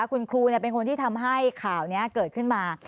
คุณครูเป็นคนที่ทำให้ข่าวนี้เกิดขึ้นมา